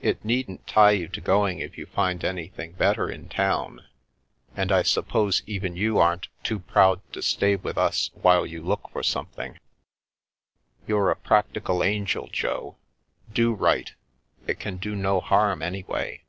It needn't tie you to going if you find anything better in town. And I suppose even you aren't too proud to stay with us while you look for something/' " You're a practical angel, Jo. Do write. It can do no harm anyway."